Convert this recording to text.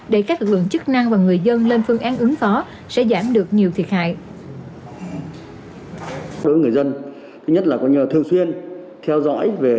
để các lực lượng chức năng và người dân lên phương án ứng phó sẽ giảm được nhiều thiệt hại